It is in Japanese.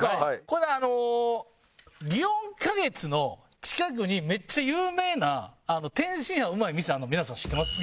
これあの園花月の近くにめっちゃ有名な天津飯うまい店あるの皆さん知ってます？